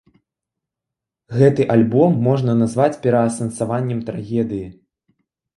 Гэты альбом можна назваць пераасэнсаваннем трагедыі.